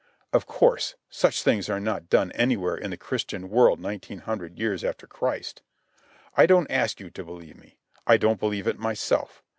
Of course, such things are not done anywhere in the Christian world nineteen hundred years after Christ. I don't ask you to believe me. I don't believe it myself.